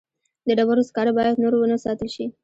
د ډبرو سکاره باید نور ونه ساتل شي.